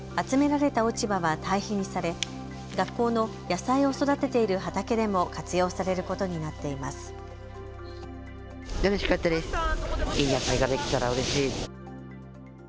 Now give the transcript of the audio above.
集められた落ち葉は堆肥にされ学校の野菜を育てている畑でも活用されることになっています。